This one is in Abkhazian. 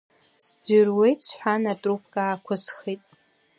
Сӡырҩуеит, — сҳәан, атрубка аақәысхит.